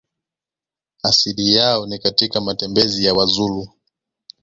Asili yao ni katika matembezi ya Wazulu